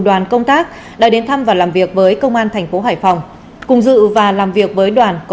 đoàn công tác đã đến thăm và làm việc với công an thành phố hải phòng cùng dự và làm việc với đoàn có